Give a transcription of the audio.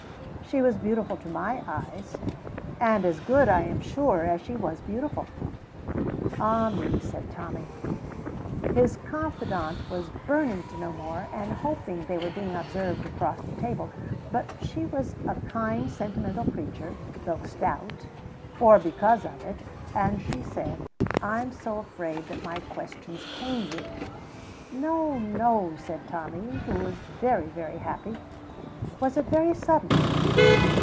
"She was beautiful to my eyes." "And as good, I am sure, as she was beautiful." "Ah me!" said Tommy. His confidante was burning to know more, and hoping they were being observed across the table; but she was a kind, sentimental creature, though stout, or because of it, and she said, "I am so afraid that my questions pain you." "No, no," said Tommy, who was very, very happy. "Was it very sudden?"